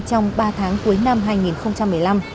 trong ba tháng cuối năm hai nghìn một mươi năm